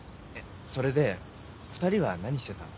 それで２人は何してたの？